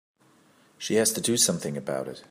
She has to do something about it.